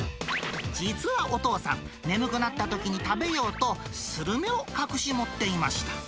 実はお父さん、眠くなったときに食べようと、スルメを隠し持っていました。